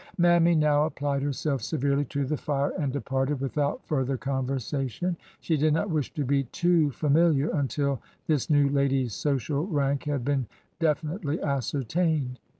Mammy now applied herself severely to the fire and WEIGHED IN THE BALANCE 33 departed without further conversation. She did not wish to be too familiar until this new lady's social rank had been definitely ascertained.